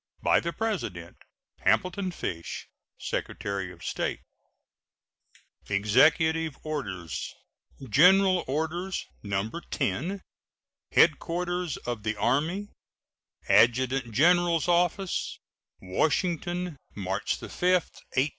By the President: HAMILTON FISH, Secretary of State. EXECUTIVE ORDERS. GENERAL ORDERS, No. 10. HEADQUARTERS OF THE ARMY, ADJUTANT GENERAL'S OFFICE, Washington, March 5, 1869.